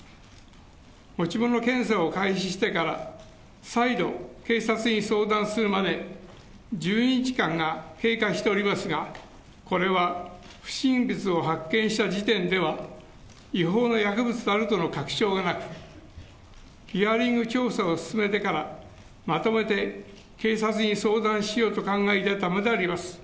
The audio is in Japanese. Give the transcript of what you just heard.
持ち物検査を開始してから再度、警察に相談するまで１２日間が経過しておりますが、これは不審物を発見した時点では違法な薬物であるとの確証がなく、ヒアリング調査を進めてからまとめて警察に相談しようと考えていたためであります。